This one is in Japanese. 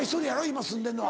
今住んでんのは。